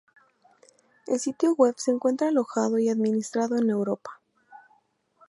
El sitio web se encuentra alojado y administrado en Europa.